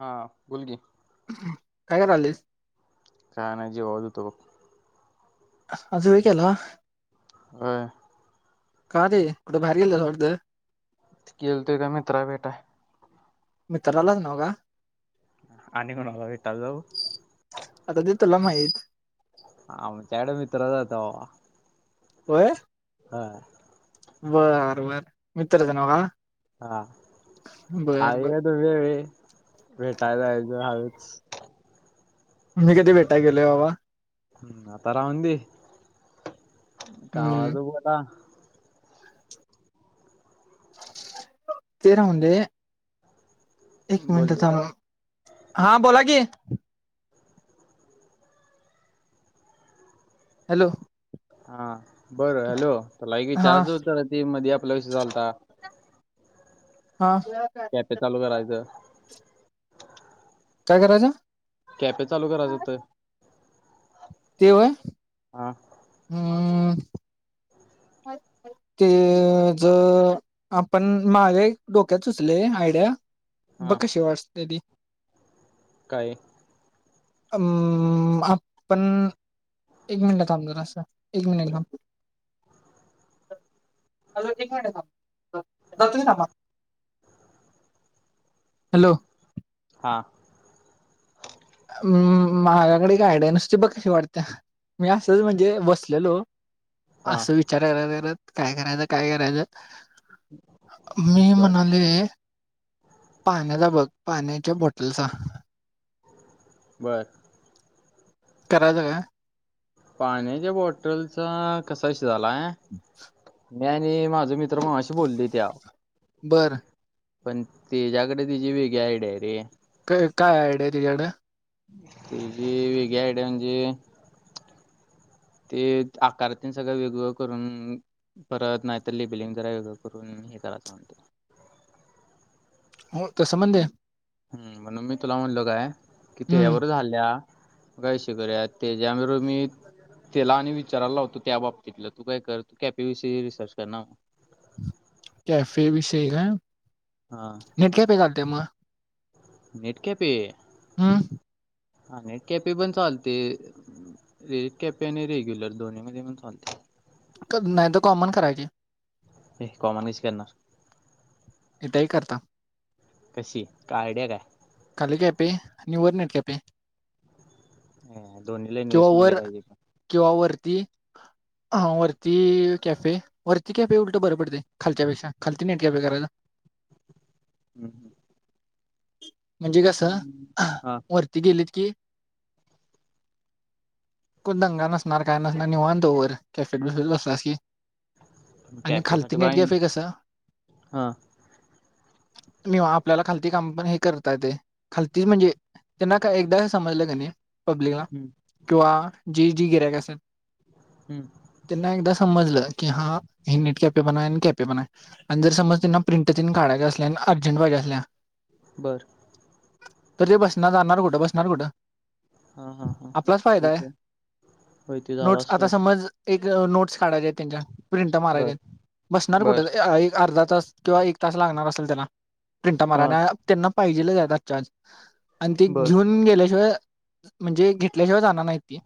हा बोल की. काय करालीस? काय नाही जेवत होतो बघ. आज वेळ केला? होय. का रे कुठे बाहेर गेलतास वाटतं? गेलतो एका मित्रा भेटाय. मित्रालाच नव का? आणि कोणाला भेटायला जाऊ? आता ते तुला माहित आमच्याकडे मित्रच आहेत बाबा. होय? हा. बरं बरं मित्राचा नाव का? हा. बर बर [unintelligible] भेटाय जायचं हळूच. मी कधी भेटाय गेलोय बाबा? हम्म आता राहुन दे. हम्म कवाचा बोला. ते राहून दे. एक बोल मिनटं थांब हा बोला की. हॅलो हा बरं हॅलो. लाईक हा विचारायचा होतं ते मध्ये आप आपला विषय झालता. कॅफे चालू करायचं [unintelligible] काय करायचं? कॅपे चालू करायचं होत. ते व्हय. हा. हहह [unintelligible] ते ज आपण माग एक डोक्यात सुचलय आयडिया. ब हा कशी वाटते ती. काय? अम आपण एक मिनिट ला थांब जरास एक मिनिट थांब [unintelligible] हॅलो. हा. हुम माझ्याकड एक आयडिया हाय, नुसती बघ कशी वाटतीया? मी असंच म्हणजे बसलेलो हा आसं विचारल्यात घरात. काय करायचं? काय करायचं? मी बर म्हणालोय, पाहण्याचा बघ पाण्याच्या बॉटलचा बर. करायचा काय? पाण्याच्या बॉटलचा कसा विष य झालाय. मी आणि माझं मित्र मगाशी बोलोय त्याव बरं. पण, तेजाकड तेची वेगळी आयडिया हाय रे. काय आयडिया हाय तेजाकड? ते जी वेगळी आयडिया, म्हणजे ते आकार ते न सगळं वेग वेगळं करून, परत नाहीतर जरा वेगळं करून हे करायचं म्हणत. हो तसं पणं दे. हम् म्हणून मी तुला म्हणलो काय? कि तेझ्या हम्म यावर झाल्या काय विषय करुया ते ज्यावर बरोबर मी त्याला आणि विचारायला लावतो. त्या बाबतीतलं तू काय कर कॅफे विषयी रिसर्च कर ना मग. कॅफे विषय एक हाय. हा नेट कॅफे चालतंय म. Net cafe. हं. हा. नेट केपे पण चालते [unintelligible] केपे आणि रेग्युलर दोन्ही मध्ये पण चालतय. [unintelligible] नाहीतर कॉमन करायची. ए कॉमन कशी करणार? येतय करता. कशी? काय आयडिया काय? खाली कॅफे आणि वर नेट कॅफे. ह दोन्हीला किंवा इन्व्हेस्टमेंट वर लई पाहिजे पण. किंवा वरती हा वरती कॅफे. वरती कॅफे उलट बरं पडतय खालच्यापेक्षा खालती नेट कॅफे करायचा. हं. [inaudible] म्हणजे कस हा [inaudible] वरती गेलीत की कोण दंगा नसणार काय नसणार निवांत वर कॅफे [unintelligible] बसलास की. आणि खालती कॅफेसाठी नेट बाय कॅफे कस हा [unintelligible] आपल्याला खालती काम पण हे करत करता येतंय. खालती म्हणजे त्यांना काय एकदा समजलं कणी पब्लिकला हम्म, किंवा जी जी गिऱ्याइक अस हम्म, [inaudible] त्यांना एकदा समजलं की हा हे नेट कॅफे तपन आयन कॅफे हाय आणि जर समज त्यांना प्रिंटचीन काढायच्या असल्या आणि अर्जंट पाहिजे असल्या [inaudible] बर [inaudible] [inaudible] तरी बसणार जाणार कुठं बसणार कुठं? हा, हा, हा आपलाच [inaudible] फायदा आहे विश्वम [inaudible] होय त झाल असं ते ग नोट्स काढायच्या आहेत तेच्या प्रिंटा बर मारायच्या यात [inaudible] बसणार बर कुठं एक अ अर्धा तस किंवा एक तास लागणार आसल तेना प्रिंटा हा माराना त्यांना पाहिजेलच जादा चान्स [inaudible] आणि ती बर घेऊन गेल्याशिवाय [inaudible] म्हणजे घेतल्याशिवाय जाना ना नाहीती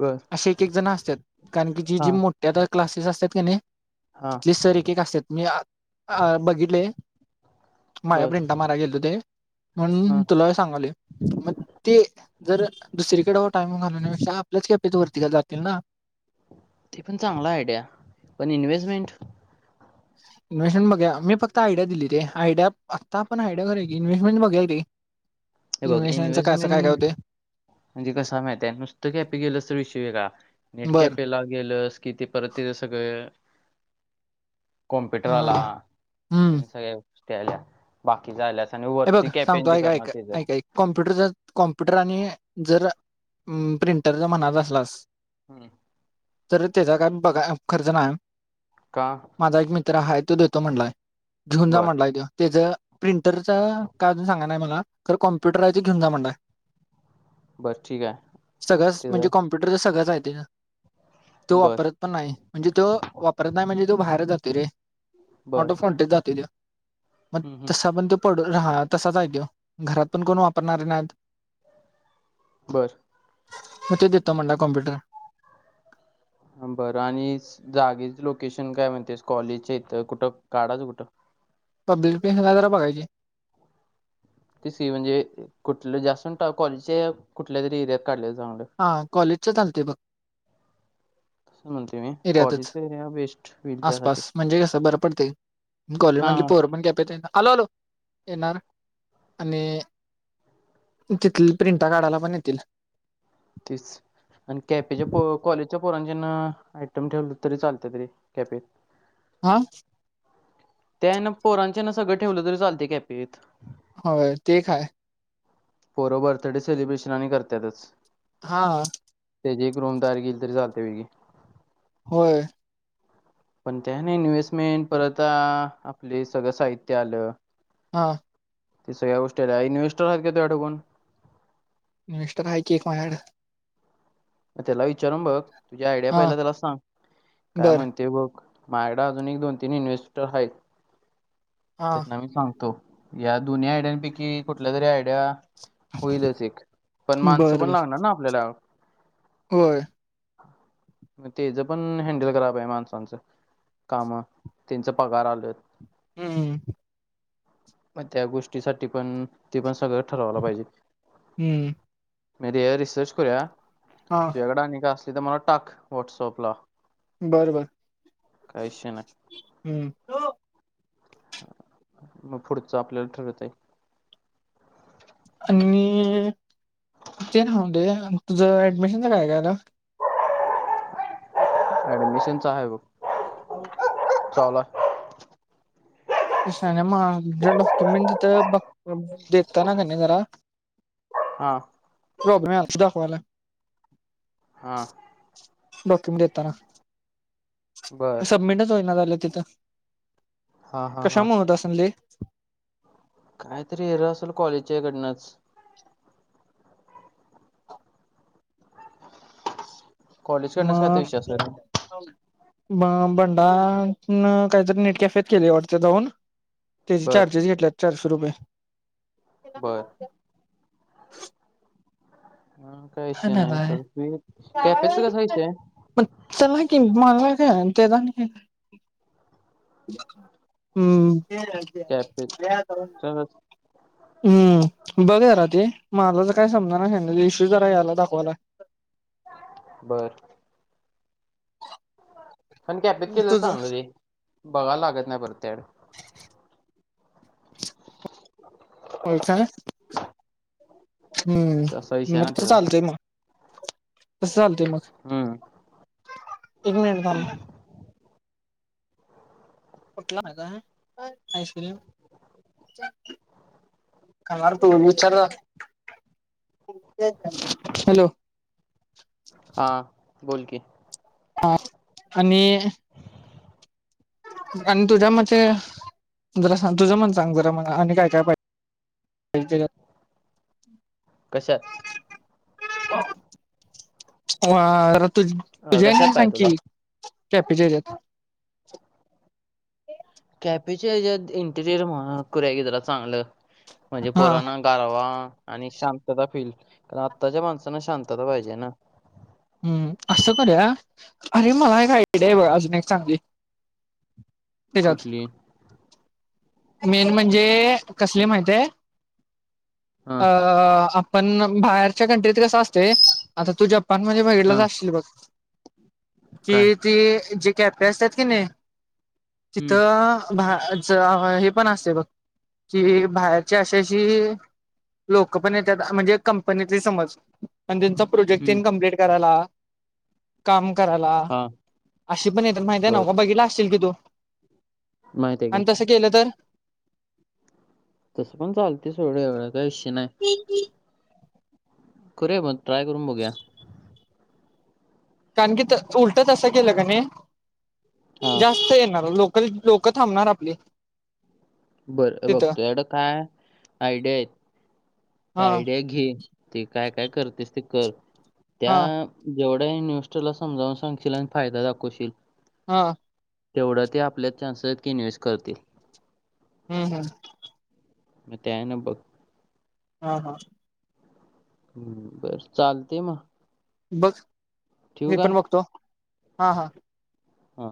बर आसे एकजण आस चट कारण की जी हा जी मोठ्या आता क्लासेस असतात कनी हा तिथली सर एक एक आसत्यात मी [inaudible] अ बघिटलय [inaudible] [inaudible] माया बर प्रिंटा मारायला गेलोत हे म्हणून हा तुला सांगालोय, मग ते जर दुसरीकडे व टाइम घालण्यापेक्षा आपल्याच कॅफेत वरती जातील ना, ते पण चांगली हाय आयडिया पण इन्व्हेस्टमेंट इन्व्हेस्टमेंट बघुया, मी फक्त आयडिया दिली रे आयडिया आत्ता आपण आयडिया करायची, इन्हेस्टमेंट बघुया की हे बघ इन्व्हेस्टमेंटचं काय असं काय काय इन्व्हेस्टमेंट होते म्हणजे कसय माहितीय काय. नुसतं कॅपी केल तर विषय वेगळा बर नेटकॅपेला गेलस कि, ते परत तिथे सगळं क कॉम्प्युटर आला, हा हम्म त्यां सगळे त्या आल्या बाकीच्या झाल्या हे बघ सांगतो, ऐक, ऐक ऐक ऐक कॉम्प्युटर जर कॉम्प्युटर आणि जर म प्रिंटर जर म्हणाला असलास, हम्म तर त्याचा काय पगार खर्च नाही. का माझा एक मित्र तर हाय तो देतो म्हटलाय. घिऊन जा बर म्हटलाय, तो तेझं प्रिंटर च काय अजून सांगा नाही मला कॅम्पुटर हाय तो घेऊन जा म्हटलाय. बर ठीक आहे सगळच म्हणजे त्याचं कॉम्पुटर च सगळंच जायत तो बर वापरत पण नाही, म्हणजे तो वापरत नाही म्हणजे तो बाहेर जातो ते रे बर ऑटो फोनटेच जातोय तो मग हम्म, हम्म. तसं पण तो पडून हा तसाच हाय तो, घरात पण कोण वापरणारे नाहीत. बरं, म तो देतो म्हटलाय, कॉम्पुटर बरं आणि जागेच लोकेशन काय म्हणतोस कॉलेजच्या इथं कुठं? काढायचं कुठं? पब्लिक प्लेसला जरा बघायची. तेच की म्हणजे कु ठलं कॉलेजच्या कुठल्या तरी एरिया काढल्या हा, कॉलेजच चालते बघ. ह एरियातच. होईल आसपास त्यासाठी म्हणजे कसं बरं पडतय कॉलेजमधली हां पोर पण कॅफेत येणार आलो आलो, येणार आणि तिथ प्रिंटा काढायला पण येतील. तीच आणि कॅफेचे पोरं कॉलेज ज्या पोरण ज्यांना आयटम ठेवलं तरी चालतेत रे कॅफेत हा त्या ना पोरांचे ना सगळं ठेवलं तरी चालते कॅफेत होय ते एक हाय पोर बर्थडे सेलिब्रेशन आणि करत्यातच हा ते जे क्रोम तयार केली तरी चालते व्हय किनय होय पण त्या आणि इन्व्हेस्टमेंट परत, आपले हे सगळं साहित्य आलं हा [unintelligible] इन्व्हेस्टर हाय की एक माझ्या कड त्याला विचारून बघ तुझी आयडिया हां पहिला त्याला सांग, काय बर म्हणतय बघ माझ्याकडं अजून एक दोन तीन इन्व्हेस्टर आहेत हां त्याना मी सांगतो या दोन्ही आयडियान पैकी कुठल्या तरी आयडिया होईलच एक, पण माणसं बर पण बर लागणार ना आपल्याला? होय मग तेच पण हॅंडल कराय पाहिजे माणसांचं काम त्यांच पगार आल हम्म हम् मग त्या गोष्टीसाठी पण ते पण सगळं ठरवाला पाहिजे हम्म म रिसर्च करूया हां तुझ्याकडे आणि असतील ति मला टाक व्हॉट्सअपला बरबर काय विषय नाही हम्म मग पुढचं आपल्याला ठरवता येतंय आणि ते राहून दे, तुझं ऍडमिशनच काय काय झालं? अ ऍडमिशनच आहे बघ हो चावला [unintelligible] दता ना त्यांनी जरा हां [unintelligible] बोला हा देताना बर सबमिटच होईना झालं तिथं हां हां हां कशामुळे होत असेल हे काहीतरी वेगळ असेल कॉलेजकडूनच कॉलेज कडणच काहीतरी विषय असेल मा भंडार काहीतरी नेट कॅफेत केलेय वाटतं जाऊन त्याचे बर चार्जस घेतल्यात चारशे रुपये त्याला काय बर माहिती हे हा, काय [unintelligible] ह विषय नाही सोड तू कॅपेचा कसा विषय आहे? ते हम्म ते कॅपेचा कस- हम्म बघ जरा ते मला तर काही समजना ते इशू जरा यालाय दाखवावा लागेल बरं पण कॅफेत केलेले ते तुझ चांगलं रे बघायला लागत नाही परत ऍड वाई चाळा असा विषय हम्म आहे मग ना त्याचा चालतय मग तस चालतय मग हम्म एक मिनिट थांब उठला काय आईस्क्रीम खाणार का विचार जरा हॅलो हां बोल की हा आणि आणि तुझ्या मते आणि तुझं मन सांग जरा मला आणि काय काय पाहिजे कशात वार तु अं, तुझ्या कशात हेण सांग पाहिजे तुला की कॅफे च्या याच्यात कॅफेच्या हेज्यात इंटेरियर म्हणा करूया की जरा चांगल म्हणजे हा पोरांना गारवा आणि शांतता फील आताच्या माणसांना शांतता पाहिजे ना अ असं करूया अरे मला एक आयडिया ये बघ अजून एक चांगली त्याच्यात कुठली मेन म्हणजे कसली माहिती आहे हा ह हा पण बाहेरच्या कंट्रीत कस असतय आता तू जपान म्हणजे बघितला हा च असशील असतो काय की ती जे. कॅफे असत्यात किनय हम्म तिथं भरतात हे पण असतय बघ की बाहेरचे अशे अशी लोक पण येत्यात म्हणजे कंपनीची समज आणि त्यांचा प्रोजेक्ट हम्म तेन कम्प्लीट चला काम करायला हा अशी पण येतात माहितीये बर नव्ह का बघितला अशील की तू माहित आहे की आणि तसं केलं तर तसं पण चालतंय सोड एवढं काय विषय नाही करूया मग ट्राय करून बघूया कारण की उलट तसं केलं कणी हा जास्त येणार लोक लोक थांबणार आपली बरं तिथं बघतो एवढं काय आयडिया आहेत ते हा आयडिया घे ते काय काय करतोस ते कर त्या हा जेवढ्या न्यूस्टला समजावून सांगशील आणि फायदा दाखवशील हा तेवढा ते आपल्या चान्सस इन्व्हेस्ट करतील हम्म हम्म म ते आहे ना बघ हा हा हम् बरं चालतंय मग बघ ठेवू मी का पण बघतो हा हा हा